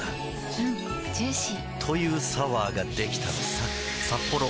うんジューシー‼というサワーができたのさ‼